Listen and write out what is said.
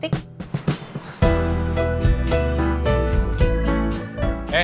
tidak ada yang bisa dikira